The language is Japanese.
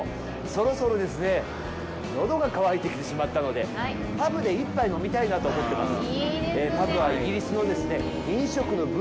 そろそろですね、喉が渇いてきてしまったのでパブで一杯飲みたいなと思ってます。